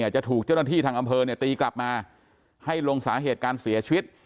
จะถูกเจ้าหน้าที่ทางอำเภอตีกลับมาให้ลงสาเหตุการเสียชีวิต